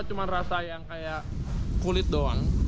ini cuma rasa yang seperti kulit saja